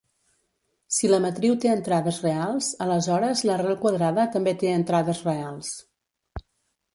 Si la matriu té entrades reals, aleshores l'arrel quadrada també té entrades reals.